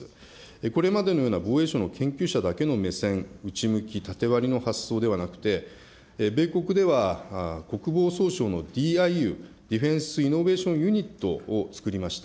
これまでのような防衛省の研究者だけの目線、内向き、縦割りの発想ではなくて、米国では国防総省のＤＩＵ・ディフェンスイノベーションユニットを作りました。